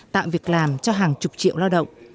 tạm việc làm cho hàng chục triệu lao động